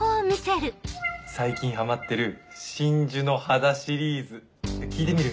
最近ハマってる『真珠の肌』シリーズ。聞いてみる？